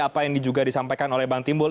apa yang juga disampaikan oleh bang timbul